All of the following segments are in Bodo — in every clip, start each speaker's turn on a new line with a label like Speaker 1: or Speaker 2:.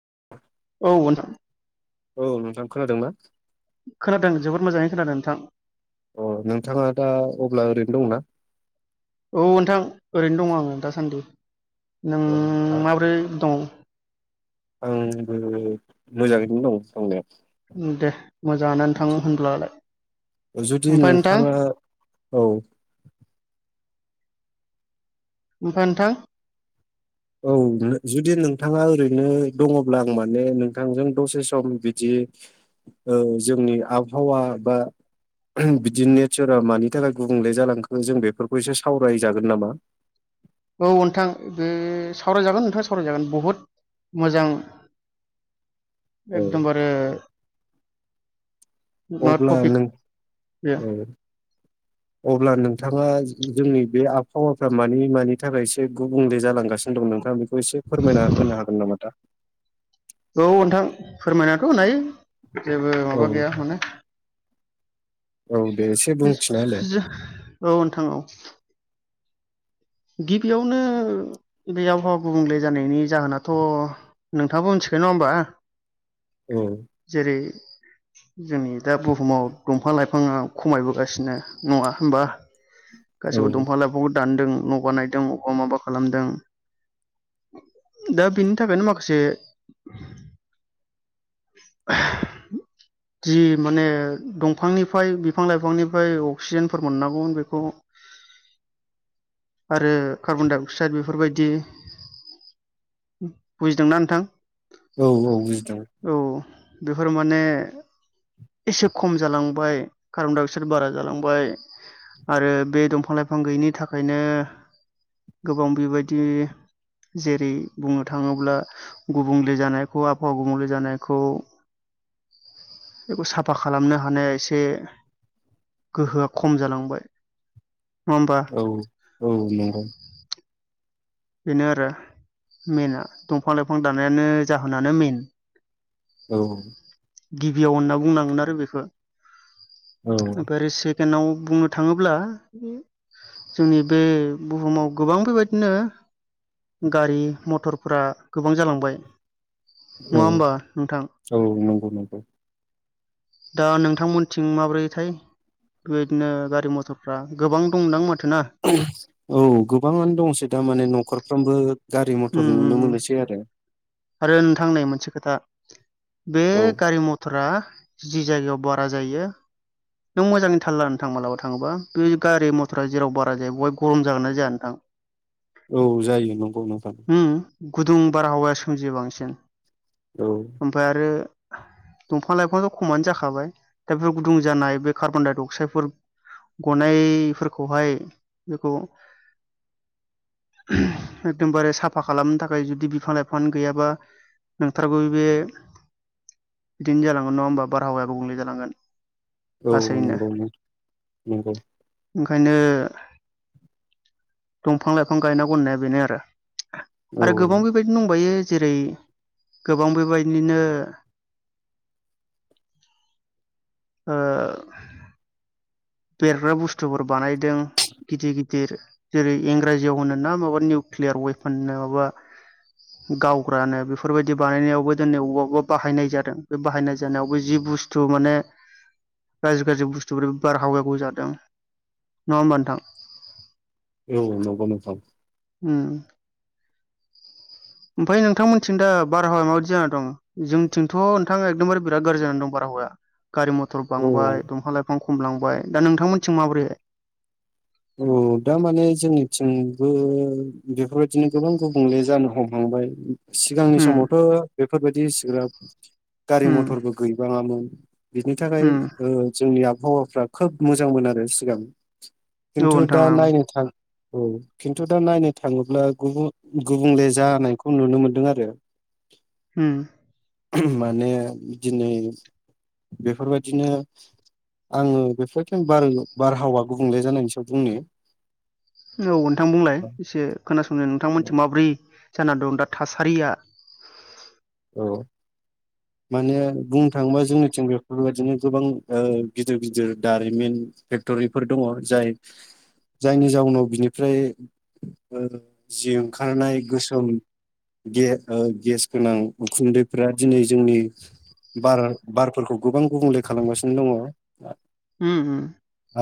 Speaker 1: [unintelligible]
Speaker 2: औ नोंथां
Speaker 1: औ नोंथां खोनादों ना
Speaker 2: खोनादों जोबोद मोजाङै खोनादों नोंथां
Speaker 1: अ नोंथाङा दा अब्ला ओरैनो दंना?
Speaker 2: औ नोंथां ओरैनो दङ आङो दासान्दि नों
Speaker 1: औ
Speaker 2: माबोरै दं
Speaker 1: आंबो मोजाङैनो दं दंनाया
Speaker 2: दे मोजाङानो नोंथां होनब्लालाय
Speaker 1: जुदि
Speaker 2: ओमफाय नोंथां
Speaker 1: नोंथाङा औ
Speaker 2: ओमफाय नोंथां
Speaker 1: औ जुदि नोंथाङा ओरैनो दङब्ला आं माने नोंथांजों दसे सम बिदि ओ जोंनि आबहावा बा बिदि नेचारा मानि थाखाय गुबुंले जालांखो जों बेफोरखौ एसे सावरायजागोन नामा?
Speaker 2: औ नोंथां बे सावरायजागोन नोंथां सावरायजागोन बहुद मोजां
Speaker 1: औ
Speaker 2: एकदमबारे नट
Speaker 1: अब्ला
Speaker 2: टपिक
Speaker 1: नों
Speaker 2: बेयो
Speaker 1: औ अब्ला नोंथाङा जोंनि बे आबहावाफ्रा मानि मानि थाखाय एसे गुबुंले जालांगासिनो दं नोंथाङा बेख खौ एसे फोरमायना होनो हागोन नामा दा?
Speaker 2: औ नोंथां फोरमायनाथ' होनायो। जेबो
Speaker 1: औ
Speaker 2: माबा गैया माने
Speaker 1: औ दे एसे बुंथिना होलाय
Speaker 2: जो औ नोंथां औ गिबियावनो बे आबहावा गुबुंले जानायनि जाहोनाथ' नोंथाङाबो मिथिखायो नङा होमबा?
Speaker 1: औ
Speaker 2: जेरै जोंनि दा बुहुमाव दंफां लाइफाङा खमायबोगासिनो नङा होमबा?
Speaker 1: औ
Speaker 2: गासैबो दंफा लायफ दान्दों न' बनायदों अबा माबा खालामदों दा बिनि थाखायनो माखासे जि माने दंफांनिफ्राय बिफां लाइफांनिफ्राय अक्सिजेनफोर मोननांगौमोन बेखौ आरो कार्बनडाइ अक्साइद बेफोरबायदि बुजिदोंना नोंथां?
Speaker 1: औ औ बुजिदों।
Speaker 2: औ बेफोर माने एसे खम जालांबाय कार्बनडाय अक्साइड बारा जालांबाय आरो बे दंफां लाइफां गैयिनि थाखायनो गोबां बेबायदि जेरै बुंनो थाङोब्ला गुबुंले जानायखौ आबहावा गुबुंले जाना जानायखौ बेखौ साफा खालामनो हानाया एसे गोहोआ खम जालांबाय। नङा होमबा
Speaker 1: औ औ नंगौ।
Speaker 2: बेनो आरो मेनाआ दंफां लाइफां दानायानो जाहोनानो मेइन
Speaker 1: औ
Speaker 2: गिबियाव होनना बुंनांगोन आरो बेखौ।
Speaker 1: औ
Speaker 2: ओमफ्राइ सेकेडआव बुंनो थाङोब्ला जोंनि बे बुहुमाव गोबां बेबायदिनो गारि मथरफोरा गोबां जालांबाय।
Speaker 1: औ
Speaker 2: नङा होमबा नोंथां
Speaker 1: औ नंगौ नंगौ।
Speaker 2: दा नोंथांमोनथिं माब्रैथाय बेबायदिनो गारि मथरफ्रा गोबां दंदां माथ
Speaker 1: औ गोबाङानो दंसै दा माने न खरफ्रोम बो
Speaker 2: ओम आरो नोंथां नै मोनसे खोथा बे
Speaker 1: औ
Speaker 2: गारि मथरा जि जायगायाव बारा जायो नों मोजाङै थालला नोंथां मालाबा थाङोबा बे गारि मथरा जेराव बारा जायो बेहाय गरम जागोना जाया नोंथां?
Speaker 1: औ जायो नंग नंगौ नोंथां।
Speaker 2: उम गुदुं बारहावाया सोमजियो बांसिन
Speaker 1: औ
Speaker 2: ओमफ्राय आरो दंफां लाइफांथ' खमानो जाखाबाय दा बेफोर गुदुं जानाय बे कार्बन डाइ अक्साइड फोर गनायफोरखौहाय बेखौ एकदमबारे साफा खालामनो थाखाय जुदि बिफां लाइफांआनो गैयाबा नोंथारगौ बे बिदिनो जालांगोन नङा होमबा बारहावायाब गुबुंले जालांगोन
Speaker 1: औ औ
Speaker 2: लासैनो
Speaker 1: नंगौ नंगौ।
Speaker 2: ओंखायनो दंफां लाइफां गायनांगौ होननाया बेनो आरो।
Speaker 1: औ
Speaker 2: आरो गोबां बेबायदि दंबायो जेरै गोबां बेबायदिनो बेरग्रा बुस्थुफोर बानायदों गिदिर गिदिर जेरै इंराजियाव होन ना माबा निउकलियार वेपननो माबा गावग्रानो बेफोरबायाददि बानायनायावबो दिनै अबेबा अबेबा बाहायनाय जादों बे बाहायनाय जानायावबो जि बुस्थु माने गाज्रि गाज्रि बुस्थुफोर बारहाव गुबुन जादों नङा होमबथां?
Speaker 1: औ नंगौ नोंथां
Speaker 2: ओम। ओमफ्राय नोंथांमोनथिं दा बारहावाया माबायदि जानानै दं? जोंथिंथ' नोंथाङा एकदमबारे बिराद गाज्रि जानानै दं बारहावाया। गारि मटर
Speaker 1: औ
Speaker 2: बांबाय दंफां लाइफां खमायलांबाय दा नोंथांमोननिथिं माबोरै?
Speaker 1: औ दा माने जोंनिथिंबो बेफोरबायदिनो गोबां गुबुंले जानो हमहांबाय सिगांनि
Speaker 2: उम
Speaker 1: समावथ' बेफोरबायदि इसिग्राब गारि
Speaker 2: उम
Speaker 1: मथरबो गैबाङामोन बिनि थाखाय
Speaker 2: उम औ
Speaker 1: ओ जोंनिया हौवाफ्रा खोब मोजां मोन आरो सिगां। खिन्थु
Speaker 2: नोंथां
Speaker 1: दा
Speaker 2: ओं
Speaker 1: नायनो थां औ खिन्थु दा नायनो थाङोब्ला गुबुं गुबुंले जानायखौ नुनो मोनदों आरो
Speaker 2: ओम।
Speaker 1: माने दिनै बेफोरबायदिनो आङो बेफोरबायदिनो बार बारहावा गुबुंले जानायनि सा बुंनि
Speaker 2: औ नोंथां बुंलाय एसे खोनासंनो नोंथांमोनथि माब्रै जाना दं दा थासारिया
Speaker 1: औ माने बुंनो थाङोबा जोंनिथिं बेफोरबायदिनो गोबां ओ गिदिर गिदिर दारिमिन फेक्टरिफोर दङ जाय जायनि जाउनाव बिनिफ्राय ओ जि ओंखारनाय गोसोम गे ओ गेस गोनां उखुन्दैफ्रा दिनै जोंनि बार बारफोरखौ गोबां गुबुंले खालामगासिनो दङ
Speaker 2: ओम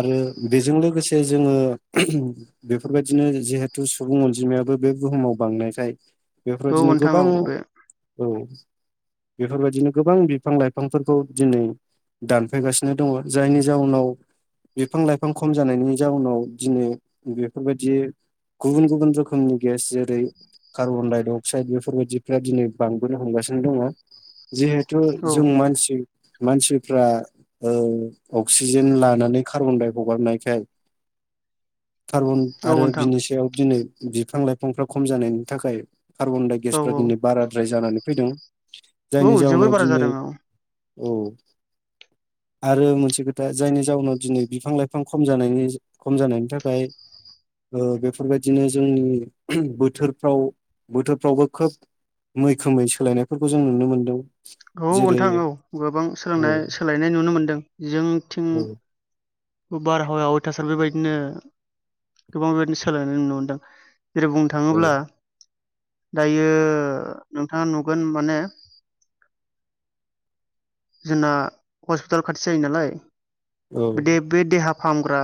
Speaker 1: आरो बेजों लोगोसे जोङो बेफोरबायदिनो जिहेथु सुबुं अनजिमायाबो बे बुहुमाव बांनायखाय
Speaker 2: औ
Speaker 1: बेफोरबायदिनो
Speaker 2: नोंथां
Speaker 1: गोबां
Speaker 2: औ बे
Speaker 1: बेफोरबायदिनो गोबां बिफां लाइफांफोरखौ दिनै दानफैगासिनो दङ जायनि जाउनाव बिफां लाइफां खम जानायनि जाउनाव दिनै बेफोरबायदि गुबुन गुबुन रोखोमनि गेस जेरै कार्बन डाइ असाइड बेफोरबायदिफ्रा दिनै बांबोनो हमगासिनो दङ जिहेथु
Speaker 2: औ
Speaker 1: जों मानसि मानसिफ्रा ओ अक्सिजेन लानानै कार्बनदाय हगारनायखाय कारबन
Speaker 2: औ
Speaker 1: आरो
Speaker 2: नोंथां
Speaker 1: बिनि सायाव दिनै बिफां लाइफांफ्रा खम जानायनि थाखाय कार्बन डाइ
Speaker 2: औ
Speaker 1: गेसफ्रा
Speaker 2: औ
Speaker 1: दिनै बारा जानानै फैदों जायनि
Speaker 2: औ जोबोर
Speaker 1: जाउनाव
Speaker 2: बारा
Speaker 1: दिनै
Speaker 2: जादों औ
Speaker 1: औ आरो मोनसे खोथा जायनि जाहोनाव दिनै बिफां लाइफां खम जानायनि खम जानायनि थाखाय ओ बेफोरबायदिनो जोंनि बोथोरफ्राव बोथोरफ्रावबो खोब मैखोमै सोलायनायफोरखौ जों नुनो मोन्दों
Speaker 2: औ नोंथां औ गोबां सोलोंनाय सोलायनाय नुनो मोनदों जोंथिं
Speaker 1: औ
Speaker 2: बारहावाया अयथासार बेबायदिनो गोबां बेबायदिनो सोलायनाय नुनो मोनदों जेरै बुंनो
Speaker 1: औ
Speaker 2: थाङोब्ला दायो नोंथाङा नुगोन माने जोंना हस्पिटाल खाथि जायो नालाय
Speaker 1: औ
Speaker 2: दे बे देहा फाहामग्रा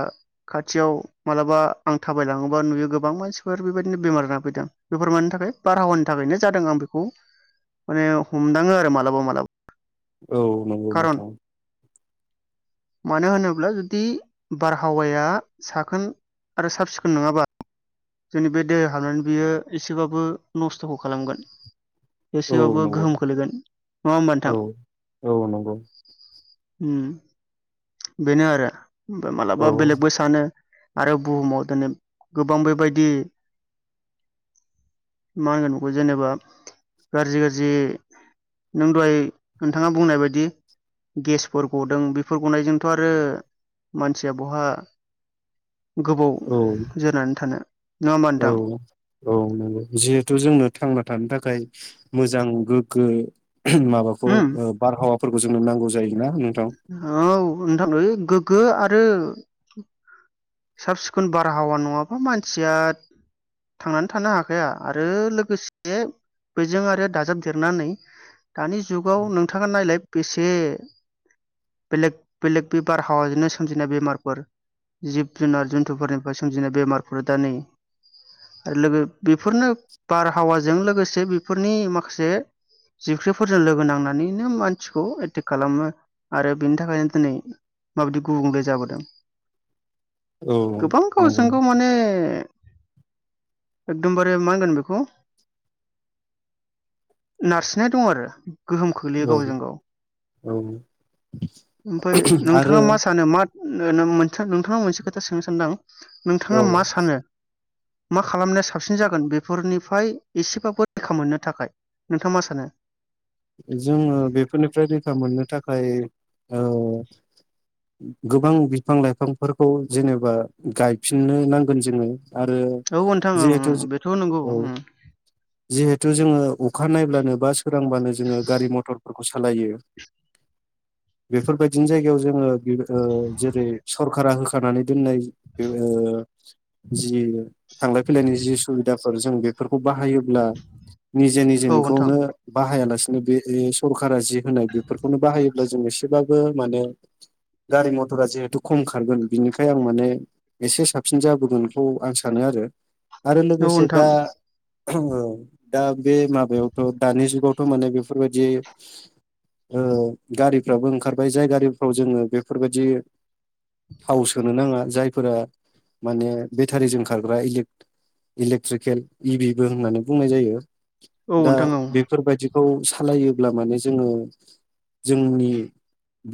Speaker 2: खाथियाव मालाबा आं थाबाय लाङोबा नुयो गोबां मानसिफोर बेबायदिनो बेमार जाना फैदों बेफोर मानि थाखाय बारहावानि थाखायनो जादों आं बेखौ माने हमदाङो आरो मालाबा मालाबा
Speaker 1: औ नंगौ
Speaker 2: खारन
Speaker 1: नोंथां
Speaker 2: मानो होनोब्ला जु दि बारहावाया साखोन आरो साब सिखोन नङाबा जोंनि बे देह हाबनानै बियो एसेबाबो नस्थ'खौ खालामगोन
Speaker 1: औ
Speaker 2: एसेबाबो
Speaker 1: नंगौ
Speaker 2: गोहोम खोलैगोन नङा होमबा
Speaker 1: औ
Speaker 2: नोंथां
Speaker 1: औ नंगौ
Speaker 2: उम बेनो आरो ओमफ्राय
Speaker 1: औ
Speaker 2: मालाबा बेलेगबो सानो आरो बुहुमाव दिनै गोबां बेबायदि मा होनगोन बेखौ जेनेबा गाज्रि गाज्रि नों दहाय नोंथाङा बुंनाय बायदि गेसफोर गदों बेफोर गनायजोंथ' आरो मानसिया बहा गोबाव
Speaker 1: औ
Speaker 2: जोरनानै थानो नङा होमबा
Speaker 1: औ
Speaker 2: नोंथां
Speaker 1: औ नंगौ जिहेथु जोंनो थांना थानो था खाय मोजां गोग्गो माबाखौ
Speaker 2: उम
Speaker 1: बारहावा फोर जोंनो नांगौ जायोना उम
Speaker 2: [unintelligible] नोथां गोग्गो आरो साब सिखोन बारहावा नङाबा मानसिया थांनानै थानो हाखाया आरो लोगोसे बेजों आरो दाजाबदेरनानै दानि जुगाव नोंथाङा नायलाय बेसे बेलेग बेलेग बे बारहावाजोंनो सोमजिनाय बेमारफोर जिब जुनार जन्थुफोरनिफ्राय सोमजिनाय बेमारफोर दा नै आरो लोगो बेफोरनो बारहावाजों लोगोसे बेफोरनि माखासे जिबख्रिफोरजों लोगो नांनानैनो मानसिखौ एटेक खालामो आरो बेनि थाखायनो दिनै माबायदि गुबुंले जाबोदों
Speaker 1: औ
Speaker 2: गोबां गावजों
Speaker 1: नंगौ
Speaker 2: गाव माने एकदमबारे मा होनगोन बेखौ नारसिननाय दङ आरो गोहोम खोख्लैयो
Speaker 1: औ
Speaker 2: गावजों गाव
Speaker 1: औ
Speaker 2: ओमफाय नोंथाङा
Speaker 1: आरो
Speaker 2: मा सानो मा नो-नो मोनथार नोंथांनाव मोनसे खोथा सोंनो सानदो आं नोंथाङा
Speaker 1: औ
Speaker 2: मा सानो? मा खालामनाया साबसिन जागोन बेफोरनिफ्राय एसेबाबो रैखा मोननो थाखाय नोंथाङा मा सानो?
Speaker 1: फ्राय ओ गोबां बिफां लाइफांफोरखौ जेनेबा गायफिननो नांगोन जोङो आरो
Speaker 2: औ नोथां ओं
Speaker 1: जिहेथु
Speaker 2: ओंं बेथ' नोंगौ
Speaker 1: जिहेतु जोङो अखा नायब्लानो बा सोरांबा ङो गारि मथर फोरख सालायो बेफोरबायदिनो जायगायाव जोङो ओ जेरै सरखारा हो खानानै दोननाय बे ओ जि थांलाय फैलाय जि सुबिदाफो जों बेफोर खौ बाहायोब्ला निजे
Speaker 2: औ नोंथां
Speaker 1: निजेनिखौनो बाहायाला बे सरखारा जि होनाय बेफोरखौनो बाहायोब्ला जों एसेब्लाबो माने गारि मथरा जिहेथु खम खारगोन बिनिखाय आं माने एसे साबसिन जाबोगोनखौ आं सानो आरो। आरो
Speaker 2: औ
Speaker 1: लोगोसे
Speaker 2: नोंथां
Speaker 1: दा ओ दा बे माबायावथ' दानि जुगाव खामानि बेफोरबायदि ओ गारिफ्राबो ओंखारबाय। जाय गारिफ्राव जोङो बेफोरबायदि थाव सोनो नाङा, जायफोरा माने बेटारिजों खारग्रा इलेकट्रिकेल, इभिबो होननानै बुंनाय जायो
Speaker 2: औ
Speaker 1: दा
Speaker 2: नोंथां औ
Speaker 1: बेफोरबायदि औ लायोब्ला माने जोङो जोंनि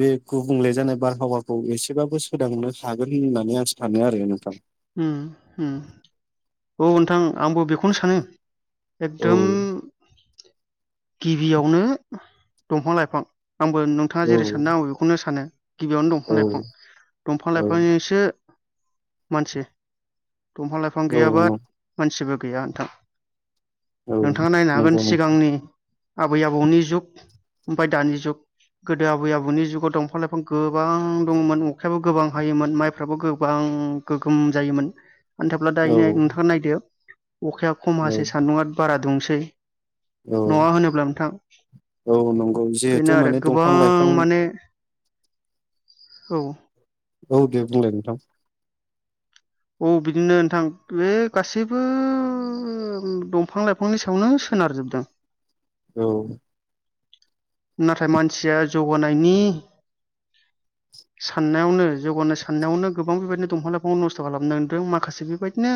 Speaker 1: बे गुबुंले जानाय बारहावाखौ एसेबाबो सोदांनो हागोन होननानै आं सानो आरो नोंथां।
Speaker 2: ओम ओम, औ नोंथां आंबो बेखौनो सानो।
Speaker 1: औ
Speaker 2: एकदम गिबियावनो दंफां-लाइफां आंबो नोंथाङा
Speaker 1: औ
Speaker 2: जेरै सानदों आंबो बेखौनो सानो। गिबियावनो
Speaker 1: औ
Speaker 2: दंफां-लाइफां। दंफां
Speaker 1: औ
Speaker 2: लाइफांजोंसो मानसि दंफां लाइफां गैयाबा
Speaker 1: औ
Speaker 2: मानसिबो गैया नोंथां
Speaker 1: औ
Speaker 2: नोंथाङा नायनो हागोन
Speaker 1: नंगौ नोंथां
Speaker 2: सिगांनि आबै आबौनि जुग, ओमफ्राय दानि जुग, गोदो आबै आबौनि जुगाव दंफां-लाइफां गोबां दङमोन। अखायाबो गोबां हायोमोन माइफ्राबो गोबां गोगोम जायोमोन। आनथाब्ला
Speaker 1: औ
Speaker 2: दायो नोंथाङा नायदो अखाया खम
Speaker 1: औ
Speaker 2: हासै, सान्दुङआ बारा दुंसै,
Speaker 1: औ
Speaker 2: नङा होनोब्ला नोंथां?
Speaker 1: औ नंगौ
Speaker 2: बेनो
Speaker 1: जिहेथु
Speaker 2: आरो
Speaker 1: माने दंफां लाइफां
Speaker 2: गोबां माने औ
Speaker 1: औ दे बुंलाय नोंथां
Speaker 2: औ बिदिनो नोंथां। बे गासैबो दंफां-लाइफांनि सायावनो सोनारजोबदों।
Speaker 1: औ
Speaker 2: नाथाय मानसिया जौगानायनि साननायावनो, जौगानो साननायावनो गोबां बेबायदिनो दंफां- लाइफांखौ नस्थ' खालामदों माखासे बेबायदिनो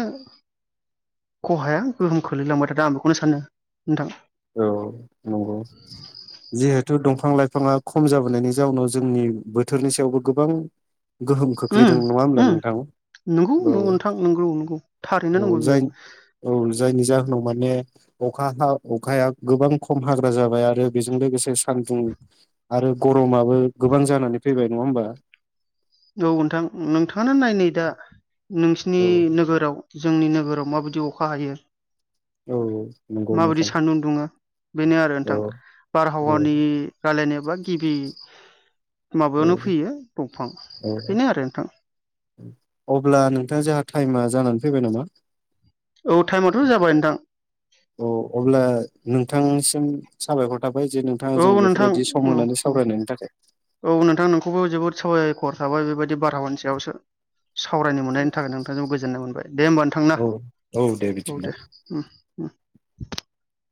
Speaker 2: खहाया गोहोम खोलैलांबाय थादों आं बेखौनो सानो नोंथां।
Speaker 1: औ नंगौ, जिहेथु दंफां लाइफाङा खम जाबोनायनि जाउनाव जोंनि बोथोरनि सायावबो गोबां गोहोम
Speaker 2: उम
Speaker 1: खोख्लैदों नङा होनोमब्ला
Speaker 2: उम
Speaker 1: नोंथां?
Speaker 2: नंगौ
Speaker 1: औ
Speaker 2: नंगौ नोंथां नंगौ नंगौ थारैनो
Speaker 1: औ
Speaker 2: नंगौ बियो
Speaker 1: जायनि औ जायनि जाहोनाव माने अखा हा अखाया गोबां खम हाग्रा जाबाय आरो बेजों लोगोसे सान्दुं आरो गत समाबो गोबां जानानै फैबाय नङा होमबा
Speaker 2: औ नोंथां नोंथाङा नायनाय दा नोंसि नि
Speaker 1: औ
Speaker 2: नोगोराव जों नि नोगोराव माबायदि अखा हायो
Speaker 1: औ नंगौ
Speaker 2: माबायदि
Speaker 1: नोंथां
Speaker 2: सानदुं उदुङो बेनो आरो
Speaker 1: औ
Speaker 2: नोंथां
Speaker 1: औ
Speaker 2: बारहावानि रायलायनाय बा गिबि माबायावानो फैयो दंफां बेनो आरो नोंथां
Speaker 1: अब्ला नोंथां जाह टाइमा जानानै फैबाय नामा
Speaker 2: औ टाइमाथ' जाबाय नोंथां
Speaker 1: औ अब्ला नोंथांसिम साबायखर थाबाय जे नोंथाङा
Speaker 2: औ
Speaker 1: जों
Speaker 2: नोंथां
Speaker 1: बेफोरबायदि सम
Speaker 2: औ
Speaker 1: होनानै
Speaker 2: औ
Speaker 1: सावरायनायनि थाखाय
Speaker 2: औ नोंथां नोंखौबो जोबोद साबायखर थाबाय बेबाय बिदि बारहावानि सायाव सो सावरायनो मोननायनि थाखाय नोंथांजों गोजोननाय मोनबाय दे होमबा नोंथां ना
Speaker 1: औ औ दे
Speaker 2: औ
Speaker 1: बिदिब्ला
Speaker 2: दे [unintelligible]